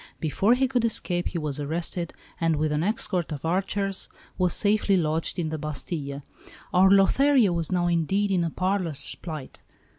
Before he could escape, he was arrested, and with an escort of archers was safely lodged in the Bastille. Our Lothario was now indeed in a parlous plight.